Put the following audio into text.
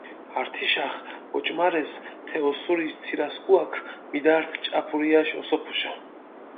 ართიშახჷ ოჭუმარესჷ თე ოსურიში ცირასქუაქჷ მიდართჷ ჭაფურიაში ოსოფუშა.